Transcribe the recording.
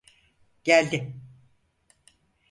Geldi!